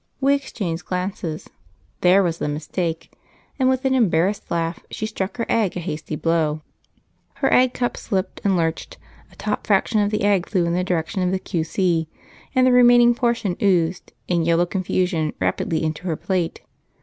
We exchanged glances (there was the mistake!), and with an embarrassed laugh she struck her egg a hasty blow. Her egg cup slipped and lurched; a top fraction of the egg flew in the direction of the Q.C., and the remaining portion oozed, in yellow confusion, rapidly into her plate.